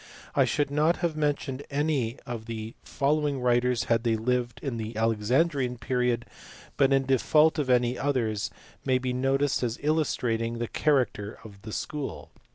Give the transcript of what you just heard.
I should not have mentioned any of the following writers had they lived in the HERO. PSELLUS. PLANUDES. BARLAAM. 119 Alexandrian period, but in. default of any others they may be noticed as illustrating the character of the school.